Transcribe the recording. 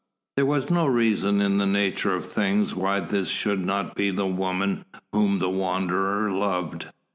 There was no reason in the nature of things why this should not be the woman whom the Wanderer loved.